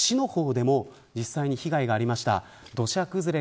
佐賀市の方でも実際、被害がありました。